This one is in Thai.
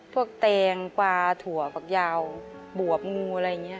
แตงปลาถั่วผักยาวบวบงูอะไรอย่างนี้